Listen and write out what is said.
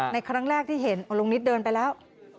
ในครั้งแรกที่เห็นลุงนิดเดินไปแล้ว